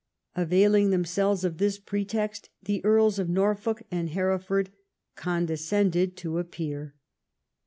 Availing themselves of this pretext, the Earls of Norfolk and Hereford con descended to appear.